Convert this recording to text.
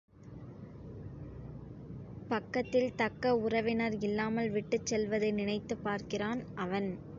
பக்கத்தில் தக்க உறவினர் இல்லாமல் விட்டுச் செல்வதை நினைத்துப் பார்க்கிறான் அவன்.